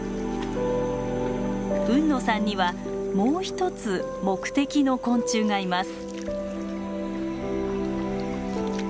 海野さんにはもう一つ目的の昆虫がいます。